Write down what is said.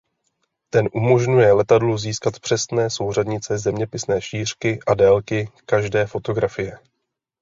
Ten umožňuje letadlu získat přesné souřadnice zeměpisné šířky a délky každé fotografie.